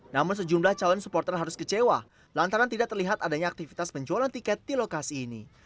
namun sejumlah calon supporter harus kecewa lantaran tidak terlihat adanya aktivitas penjualan tiket di lokasi ini